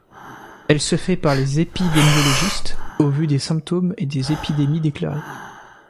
Elle se fait par les épidémiologistes, au vu des symptômes et des épidémies déclarées.